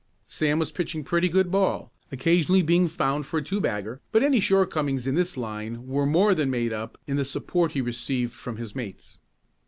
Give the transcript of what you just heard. Sam was pitching pretty good ball, occasionally being found for a two bagger, but any short comings in this line were more than made up in the support he received from his mates.